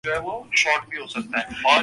گھر میں باغبانی